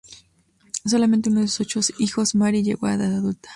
Solamente uno de sus ocho hijos, Mary, llegó a edad adulta.